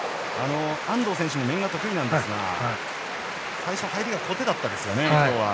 安藤選手も面が得意なんですが最初、入りが小手でしたね。